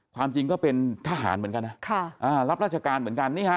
ความจริงก็เป็นทหารเหมือนกันนะรับราชการเหมือนกันนี่ฮะ